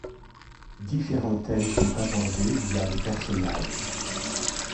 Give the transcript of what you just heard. Différents thèmes sont abordés via les personnages.